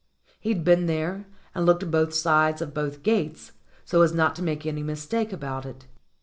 He'd been there, and looked both sides of both gates, so as not to make any mistake about it.